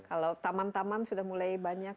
kalau taman taman sudah mulai banyak